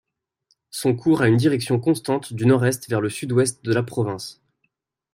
Son cours a une direction constante du nord-est vers le sud-ouest de la province.